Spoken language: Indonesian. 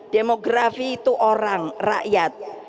demografi itu orang rakyat